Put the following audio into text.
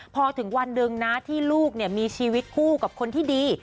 พอถึงวันหนึ่งนะที่ลูกมีชีวิตคู่กับคนที่ดี